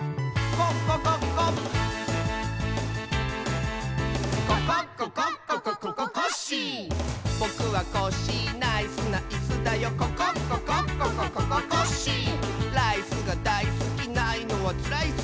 「ココッココッコココココッシー」「ライスがだいすきないのはツライッス」